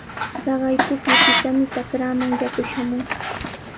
Taqay pukyupitami trakraaman yaku shamun.